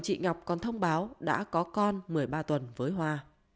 chị ngọc còn thông báo đã có con một mươi ba tuần với hoa